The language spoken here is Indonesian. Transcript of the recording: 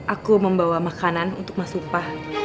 aku membawa makanan untuk mas supa